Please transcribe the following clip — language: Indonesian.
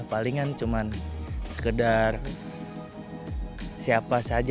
palingan cuma sekedar siapa saja